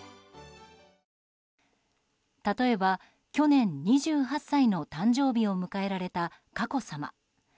例えば去年、２８歳の誕生日を迎えられた佳子さま。